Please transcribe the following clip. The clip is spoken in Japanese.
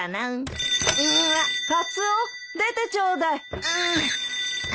☎カツオ出てちょうだい！